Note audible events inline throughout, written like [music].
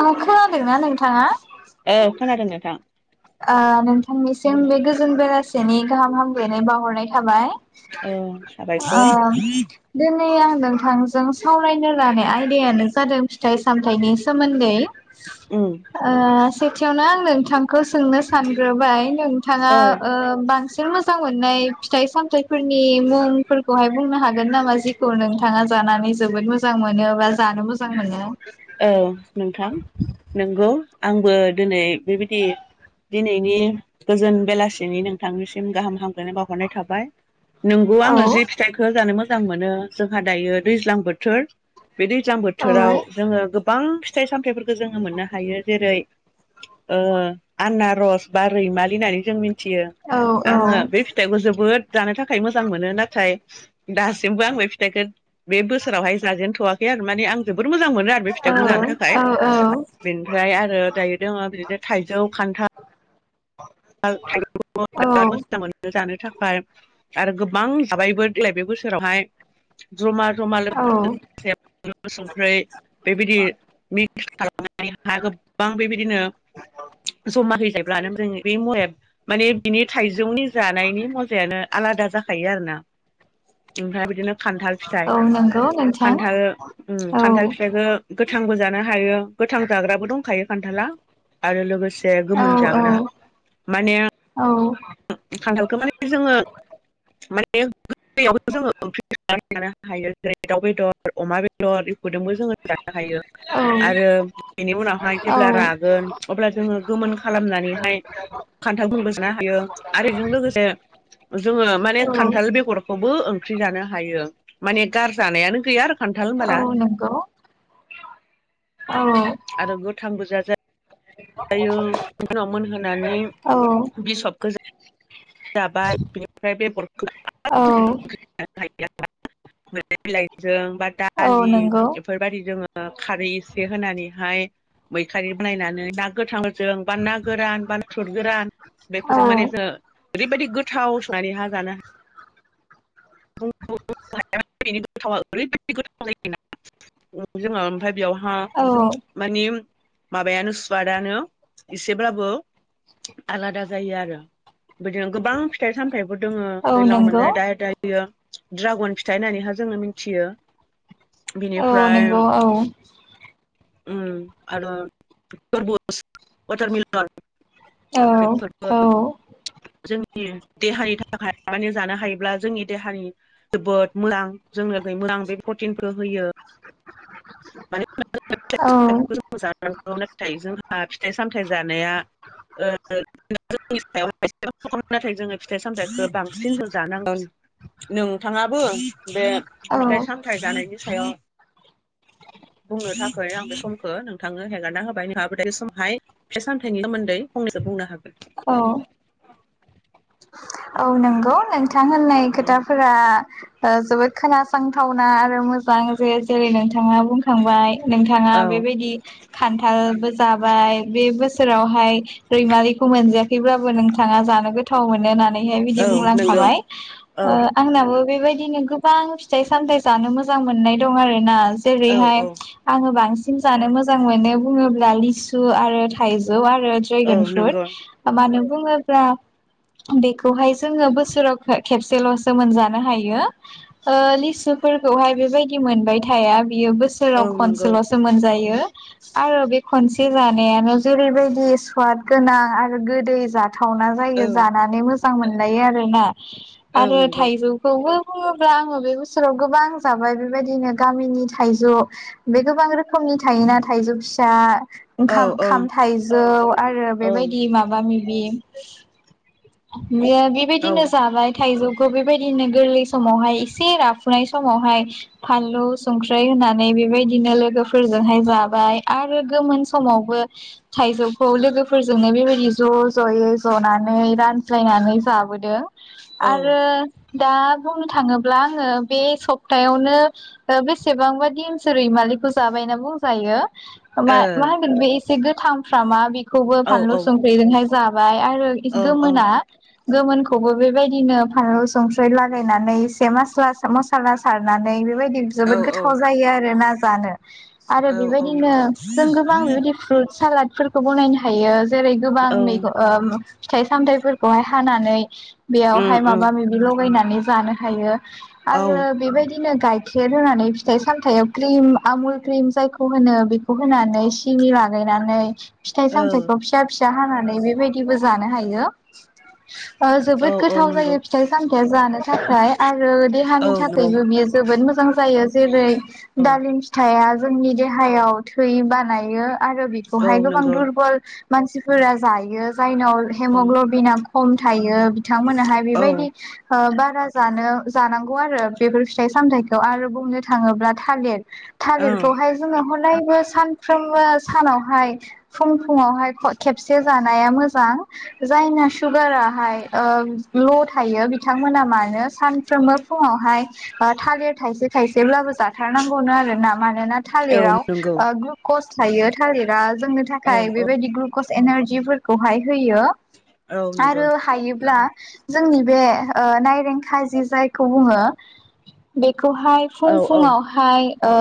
औ खोनादोंना नोंथाङा औ खोनादों नोंथां ओ नोंथांनिसिम बे गोजोन बेला सेनि गाहाम हामलानाय बाहरनाय थाबाय औ ओ साबायखर [unintelligible] आं नोंथांजों सावरायनो लानाय आयदायानो जादों फिथाइ सामथाइनि सोमोन्दै उम ओ एसेयावनो आं नोंथां खौ सोंनो सानग्रोबाय नोंथाङा औ ओ बांसिन मोज जां मोननाय फिथाइ सामथाइफोरनि मुंफोरखौहाय बुंनो हागोन नामा जेखौ नोंथाङा जानानै जोबोद मोजां मोनो बा जानो मोजां मोनो। औ नोंथां नोंगौ। आंबो दोनै बेबायदि दिनैनि गोजोन बेलासिनि नोंथांनिसिम गाहाम हाम लायनाय बावहरनाय थाबाय नोंगौ औ आंङो जि फिथाइखौ जानो मोज जां मोनो जोंहा दायो दैज्लां बोथोर। बे दैज्लां औ बोथोराव जोंङो गोबां फिथाइ सामथायाइफोरखौ जोंङो मोननो हायो जेरै ओ आनना रस बा रैमालि होनानै जों मि थियो औ आंङो बे फिथाइखौ जोबोद जानो थाखाय मोजां मोनो नाथाय दासिमबो आं बे फिथाइखो बे बोसोरावहाय जाजेनथ'वाखै आरो माने आं जोबोद मोजां मोनो आरो बे औ फिथाइखौ जानो थाखाय औ औ बेनिफ्राय आरो दायो दङ बिदिनो थाइजौ, खान्थाल [unintelligible] दङ औ बिराद मोजां मोनो जानो। थाखाय आरो गोबां जाबायबो देग्लाय बे बोसोरावहाय। जमा जमा औ [unintelligible] संख्रै बेबायदि मि फालौ [unintelligible] हा गोबां बेबायदिनो जमा होजायोब्लानो जों माने बिनि थाइजौनि जानायनि मजायानो आलादा जाखायो आरोना ओमफ्राय बिदिनो खान्थाल फिथाइ, औ नंगौ नोंथां खान्थाल उम औ खान्थाल फिथाइखो गोथांबो जानो हायो गोथां जाग्राबो दंखायो। खान्थाला आरो लोगोसे से औ गोमोन जाग्रा। माने औ औ। खान्थालखौ माने जोंङो माने बे गोरलैआव जोंङो ओंख्रि [unintelligible] जानो हायो जेरै दाउ बेदर अमा बेदर बेफोरजोंबो जोंङो जानो हायो आरो बेनि उनावहाय औ जेब्ला रागोन अब्ला जोङो गोमोन खालामनानैहाय खान्थालफोरबो जानो हायो। आरो बेजों लोगोसे जोङो माने औ खान्थाल बेगरखौबो ओंख्रि जानो हायो। माने गार जानायानो गैया आर खान्थाल औ होनबोला नंगौ औ आरो गोथांबो जाजायो। आमफायो उनाव मोनहोनानै औ बिखबखौ जाबाय, बेनिफ्राय बेगरखौ औ [unintelligible] [unintelligible] लाइ बिलाइ जों बा औ दालि नंगौ बेफोरबायदि जोङो ओ खारै एसे होनानैहाय मैखारि बानायनानै ना गोथांफोर जों बा ना गोरान, बा नाथुर गोरान औ बेफोरजों माने जों ओरैबादि गोथाव संनानै हा जानो [unintelligible] गोथावा ओरैबादि गोथाव जायोना जोङो ओमफ्राय बियावहा औ मानि माबायानो सुवाटानो एसेब्लाबो आलादा जायो आरो। बिदिनो गोबां फिथाइ सामथायबो दङो औ दैलांआव नंगौ मोननाय दाय दाय यो द्रागन फिथाइ होननानैहा जोङो मिथियो। औ बिनिफ्राय नोंगौ औ। उम आरो टरबुस वाटार मिलन औ बेफोरबो जोंनि देहानि थाखाय माने जानो हायो ब्ला जोंनि देहानि जोबोद मोजां। जोंनो बे मोजां बे प्रटिनखौ होयो। [unintelligible] फिथाइ सामथाय जानाया ओ जोंनि सायाव [unintelligible] नाथाय जोङो फिथाइ सामथायाइखौ बांसिनसो जानांगौ, नोंथाङाबो बे औ फिथाइ सामथाय जानायनि सायाव बुंनो थाखाय आं बे समखौ नोंथांनो हेगारना होबाय। नोंथांआबो बे समावहाय फिथाइ सामथाइनि सोमोन्दै फंनैसो बुंनो हागोन। औ। [inaudible] औ नोंगौ। नोंथां होननाय खोथाफोरा ओ जोबोद खोनासंथावना आरो मोजां जे जेरै नोंथाङा बुंखांबाय नोंथाङा औ बेबादि खान्थालबो जाबाय बे बोसोरावहाय रैमालिखौ मोनजायाखैब्लाबो नोंथाङा जानो गोथाव मोनो होनानै जे बिदि औ नंगौ बुंलांखाबाय औ ओ आंनाबो बेबायदिनो गोबां फिथाइ सामथाय जानो मोजां मोननाय दं आरो ना औ जेरैहाय औ आंङो बांसिन जानो मोजां मोनो बुंङोब्ला लिसु आरो थाइजौ आ रो औ द्रेगोन नंगौ फ्रुथ ओ मानो बुंङोब्ला बे खौहाय जोंङो बोसोराव खेबसेल'सो मोनजानो हायो ओ लिसुफोरखौहाय बेबायदि मोनबाय थाया। बियो औ बोसोराव नंगौ खनसेल'सो मोनजायो। आरो बे खनसे जानायानो जेरैबायदि स्वाद गोनां आरो गोदै जा थावना औ जायो जानानै मो मोजां मोनलायो आरो ना। औ आरो नंगौ थाइजौखौबो बुंङोब्ला आंङो बे बोसोराव गोबां जाबाय बेबायदिनो गामिनि थाइजौ बे गोबां रोखोमनि थायोना थाइजौ फिसा औ औ ओंखाम-खाम थाइजौ आरो औ बेबायदि माबा बे बि औ बेबायदिनो जाबाय थाइजौ बेबायदिनो गोरलै समावहाय एसे राफुनाय समावहाय फानलु संख्रि होनानै बेबायदिनो लोगोफोरजोंहाय जाबाय आरो गोमोन समावबो थाइजौखौ लोगोफोरजोंनो बेबायदि ज' ज'यै जनानै रान ज्लायनानै जाबोदों ओ आरो दा बुंनो थाङोब्ला आंङो बे सप्तायावनो बेसेबांबा दिनसो रैमालिखौ जाबायना बुंजायो। औ मा मा होनगोन बे एसे गोथां फ्रामा बि खौबो औ फानलु संख्रिजोंहाय जाबाय आरो औ औ गोमोना गोमोनखौबो बेबायदिनो फानलु संख्रि लागायनानै एसे मासला मसला सारनानै बे बबायदि औ जोबोद गोथाव जायो आरो ना। जानो आरो औ बेबायदिनो नंगौ जों गोबां बेबायदि फ्रुट सालाद फोरखौ बनायनो हायो। जेरै गोबां औ मैगं ओम फिथाय सामथाय फोर खौहाय हानानै उम बेयावहाय उम माबा मिबि लगायना नानै जानो हायो। औ आरो बेबायदि बिदिनो गाइखेर होनानै फिथाइ सामथायाइाव क्रिम आमुल क्रिम जायखौ होनो बेखौ होनानै सिनि लागायनानै फिथाइ औ सामथायखौ फिसा फि सा हानानै बेबायदिबो जानो हायो। ओ जोबोद औ औ गोथाव नंगौ जायो फिथाइ सामथाइया जानो थाखाय आरो देहानि औ नंगौ थाखायबो बियो जोबोद मो मोजां जायो जेरै औ दालिम फिथाया जोंनि देहायाव थै बानायो आरो औ बेखौहाय गोबां नंगौ दुरबल मानसिफोरा जायो जायनाव औ हेमग्ल'बिना खम थायो बिथांमोनाहाय बेबायदि औ ओ बा बारा जानो जानांगौ आरो बेफोर फिथाइ सामथाइखौ आरो बुंनो थाङोब्ला थालिर थालिरखौहाय जोङो हदायबो सानफ्रोमबो सानावहाय फुं फुुंङावहाय खेबसे जानाया मोजां जायना सुगाराहाय ल' थायो बिथांमोना मानो सानफ्रोमबो फुङावहाय थालिर थाइसे थाइसेब्लाबो जाथारनांगौनो आरोना मानोना औ थालिराव नंगौ ओ ग्लुकस थायो थालिरा जोंनो औ थाखाय औ बेबायदि ग्रुखस एनारजिफोरखौहाय होयो औ नंगौ आरो हायोब्ला जोंनि बे ओ नाइरें खाइजिर जायखौ बुङो बे खौहाय औ फुं औ फुुंङावहाय ओ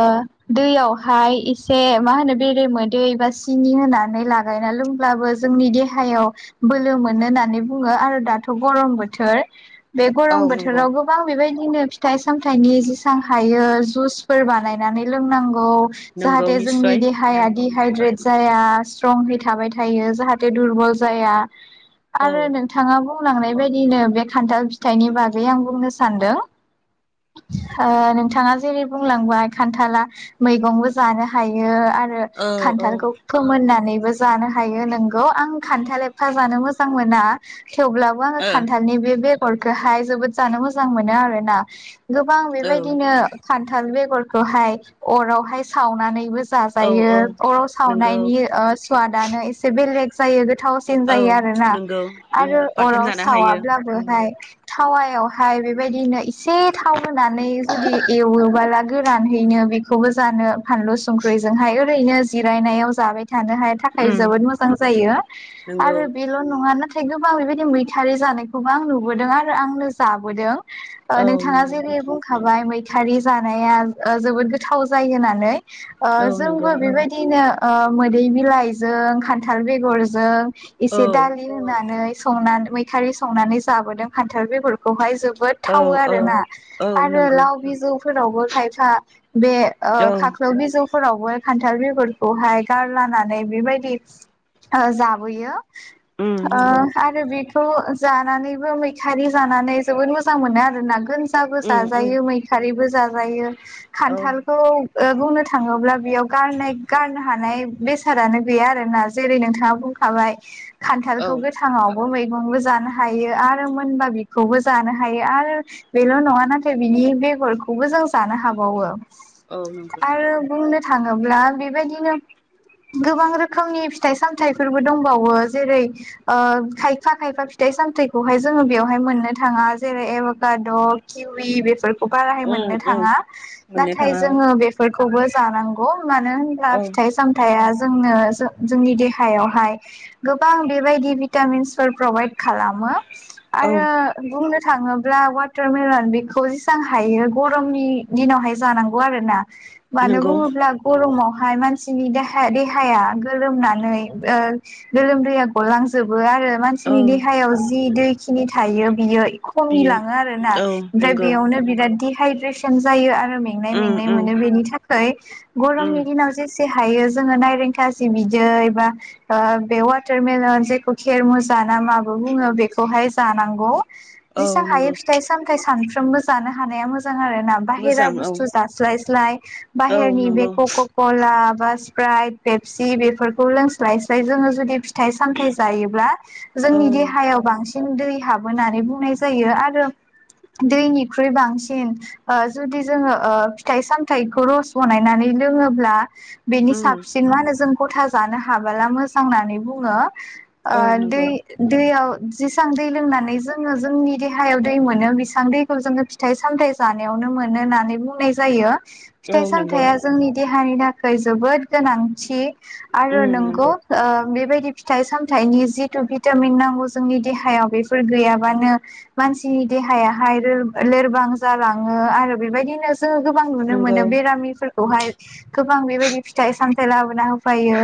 दैयावहाय एसे मा होनो बेरेमोदै एबा सिनि होनानै लागायना लोंब्लाबो जोंनि देहायाव बोलो मो होननानै बुङो आरो दाथ' गरम बोथोर बे औ गरम नंगौ बोथोराव गोबां बेबायदि दिनो फिथाइ सामथाइनि जेसां हायो जुसफोर बानायनानै लोंनांगौ नंगौ जाहाथे जोंनि निस्सय देहाया दिहाइद्रेट जाया स्ट्रंहै थाबाय थायो जाहाथे दुरबल जाया औ आरो नोंथाङाबो बुंलांनाय बायदिनो बे खान्थाल फिथाइनि बागै आं बुंनो सानदों ओ नोंथाङा जेरै बुंलांबाय खान्थाला मैगंबो जानो हायो आरो रो औ ओ खान्थालखौ फोमोननानै बो जानो हायो नोंगौ आं खान्थाल एफा जानो मोजां मोजां मोना थेवब्लाबो आङो औ खान्थालनि बे गरखोहाय जोबोद जानो मोजां मोनो आरो ना गोबां बेबायदिनो खान्थाल बेगरखौहाय अरावहाय सावनानैबो औ जाजायो औ अराव नंगौ सावनायनि ओ स्वादानो एसे बेलेग जायो। थावसिन औ जायो आरो ना? नंगौ उम आरो बाथोन अराव जानो हायो उम सावाब्लाबोहाय थावायाव हाय बेबायदिनो एसे थाव होनानै जुदि एवोबोला गोरानहैनो बेखौबो जानो फानलु संख्रिजोंहाय ओरैनो जिरायनायाव जाबाय थाखाय उम जोबो मोजां जायो। नंगौ आरो बेल' नङा नाथाय गोबां बेबायदि मैथारि जानायखौबो आं नुबोदों आरो आंनो जाबोदों। ओ औ नोंथाङा नंगौ जेरै बुंखाबाय मै मैथारि जानाया ओ जोबोद गोथाव जायो होननानै। ओ औ नंगौ जोंबो बेबायदिनो ओ मोदै बिलाइजों खान्थाल बेगर जों औ इसे दालि होननानै संना मैथारि संनानै जाबोदों फान्थाल बेफोरखौहाय जो बोद औ थावो औ आरोना। औ आरो नंगौ लाव बिजौ फोरावबो खायफा बे ओ औ खाख्लायाव बिजौ फोरावबो खान्थाल बिरखौहाय गारलानानै बेबायदि ओ जाबोयो। उम ओ नंगौ आरो बि खौ जानानैबो मैथारि जानानै जोबोद मोजां मोनो आरो ना गो जाबो उम उम जायो मैखारिबो जा जायो। औ खान्थालखौ ओ बुंनो थाङोब्ला बेयाव गारनाय गारनो हानाय बेसादानो गैया आरोना जेरै नोंथाङा बुंखाबाय। औ खान्थालखौ गोथाङाव बो मैगंबो जानो हायो आरो मोनबा बेखौबो जानो हायो आरो बेल' नङा नाथाय बिनि बेगरखौबो जों जानो हाबावो। औ नंगौ आरो बुंनो थाङोब्ला बेबायदिनो गोबां रोखोमनि फिथाइ सामथायफोरबो दं बावो जेरै खायफा खायफा फिथाइ सामथखौहाय जोङो बेयावहाय मोननो थाङा जेरै एबाकादग किउ इ बेफोरखौ बाराय उम मोननो उम थाङा मोननो नाथाय थाङा जोंङो बेफोर खौबो जानांगौ मानो होनब्ला औ फिथाइ सामथाइया जोंनो जोंनि देहायावहाय गोबां बेबायदि भिटामिन्सफोर प्रभाइद खालामो। औ आरो बुंनो थाङोब्ला वाटारमेलन बेखौ जेसां हायो गरमनि दिनावहाय जानांगौ आरो। मानो नंगौ बुङोब्ला गरमाव हाय मानसिनि देहा-देहाया गोलोमनानै ओ गोलोमदैया गलांजो बो आरो औ मानसिनि देहायाव जि दै बेखिनि थायो बियो खमि बियो लाङो आरोना। औ ओमफ्राय नंगौ बेयावनो बिराद दे हाइद्रेसोन जायो आ रो मेंनाय उम मेंनाय उम मोनो बेनि था खै उम गरमनि दिनाव जेसे से हायो जोङो नायरेंखाजि बिदै बा ओ बे वाटारमेलन जायखौ खेरमुजा ना माबो बुङो बेखौहाय जानांगौ। औ जेसां हायो नंगौ फिथाइ सामथाइ साम फ्रोमबो जानो हानाया मोजां आरोना बाहेरा मोजां औ बुस्थु जास्लाय स्लाय। औ बाहेरनि बे नंगौ कक'कला बा सिप्राइट, पेपसि बेफोरखौ लोंस्लाय स्लाय जोङो जुदि फिथाइ सामथाइ जायोब्ला औ जोंनि देहायाव बांसिन दै हाबो होननानै बुंनाय यो। आरो दैनिख्रुइ बांसिन ओ जुदि जोङो फिथाइ सामथाइखौ रस बानायनानै लोङोब्ला बेनि उम साबसिन मा होनो जों गथा जानो हाबाला मो जां नानै बुङो। ओ औ दै नंगौ दैआव जेसां दै लोंनानै जोङो जोंनि देहायाव दै मोनो बिसान दैखौ जोङो फिथाइ सामथाइ जानायावनो मोनो होननानै बुंनाय जायो। औ फिथाइ नंगौ सामथाइया जोंनि दे दहानि थाखाय जोबोद गोनांथि। आरो उम नोंगौ नंगौ ओ बेबायदि फिथाइ सामथाइनि जिथु भिटामिन नांगौ जोंनि देहायाव बेफोर गैयाबानो मानसिनि देहायाहाय लोर लोरबां जालांङो आरो बेबायदिनो जोंङो गोबां नुनो नंगौ मोनो बेरामिफोर खौ हाय गोबां बेबायदि फिथाइ सामथाइ लाबोना होफैयो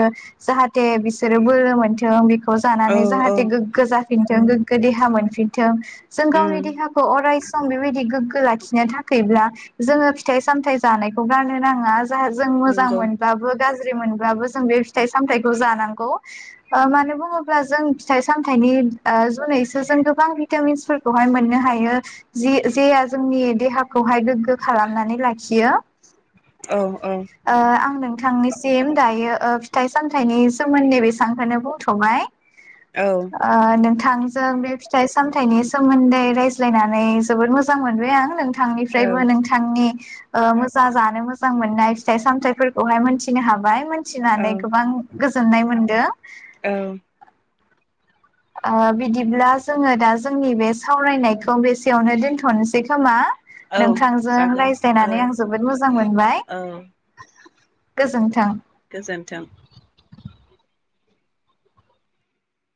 जाहाथ थे बिसोरो बोलो मोनथों बिखौ खौ औ जानानै औ जाहाथे गोग्गो जाफिनथों जों गोग्गो देहा मोनफिनथों जों उम गावनि देहाखौ अराय सम बेबायदि गोग्गो लाखिनो थाखायब्ला जोंङो फिथाइ-सामथाइ जानायखौ गारनो नांङा। जा जों मोजां नंगौ मोनब्लाबो गाज्रि मोनबाबो जों बे फिथाइ-सामथाइ खौ जानांगौ ओ मानो बुंङोब्ला जों फिथाइ-सामथाइनि ओ जुनैसो जों गोबां भिटामिन्सफोरखौहाय मोननो हायो जे जेया जोंनि देहाखौहाय गोग्गो खालामनानै लाखियो। औ औ ओ आं नों थां निसिम दायो ओ फिथाइ-साम फिथायनि सोमोन्दै बेसांखौनो बुंथ'बाय। औ आ नों थां जों बे फिथाइ-सामथाइनि सोमोन्दै रायज्लायनानै जोबोद मोजां मोनबाय आं नों नोंथां औ निफ्रायबो नोंथांनि ओ मोजां जानो मोजां मोननाय फिथाइ-सामथायाइफोरखौहाय मोनथिनो हाबाय औ मिथिनानै गोबां गोजोननाय मोनदों। औ ओ बिदिब्ला जोंङो दा जोंनि बे सावरायनायखौ बेसेयावनो दोन्थ'नोसै खोमा? औ नोंथांजों जागोन औ रायज्लायनानै आं जोबोद मोजां मोनबाय औ गोजोन्थों। गोजोन्थों